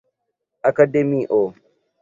akademio